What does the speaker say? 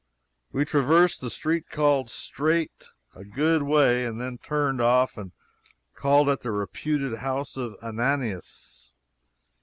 We traversed the street called Straight a good way, and then turned off and called at the reputed house of Ananias.